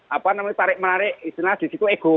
apa namanya tarik menarik istilahnya disitu ego